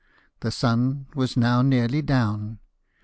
The sun Avas now nearly down.